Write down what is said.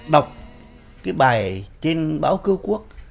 đọc cái bài trên báo cứu quốc